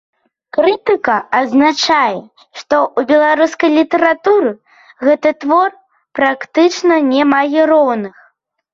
Крытыка адзначае, што ў беларускай літаратуры гэты твор практычна не мае роўных.